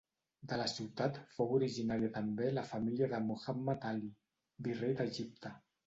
De la ciutat fou originària també la família de Muhammad Ali, virrei d'Egipte.